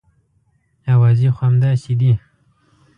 اوازې خو همداسې دي.